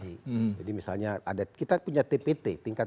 jadi misalnya kita punya tpt tingkat